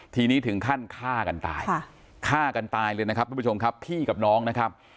ทีนี้ถึงขั้นฆ่ากันตายฆ่ากันตายเลยนะครับทุกผู้ชมครับพี่กับน้องนะครับ